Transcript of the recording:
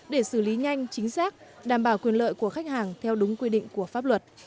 để xử lý nhanh chính xác đảm bảo quyền lợi của khách hàng theo đúng quy định của pháp luật